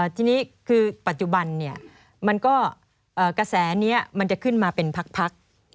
ทีนี้คือปัจจุบันกระแสนี้มันจะขึ้นมาเป็นพัก